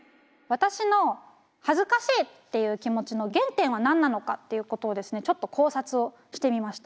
私の恥ずかしいっていう気持ちの原点は何なのかっていうことをですねちょっと考察をしてみました。